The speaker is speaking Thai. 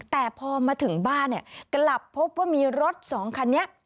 แต่พอมาถึงบ้านเนี่ยกลับพบว่ามีรถสองคันนี้